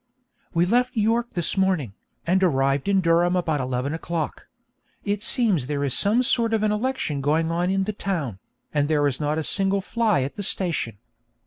We left York this morning, and arrived in Durham about eleven o'clock. It seems there is some sort of an election going on in the town, and there was not a single fly at the station.